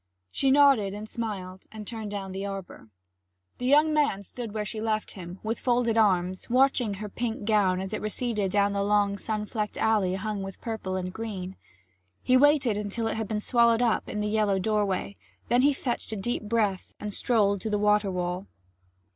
She nodded and smiled and turned down the arbour. The young man stood where she left him, with folded arms, watching her pink gown as it receded down the long sun flecked alley hung with purple and green. He waited until it had been swallowed up in the yellow doorway; then he fetched a deep breath and strolled to the water wall.